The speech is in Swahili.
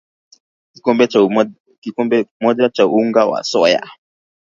Kikombe moja cha unga wa soya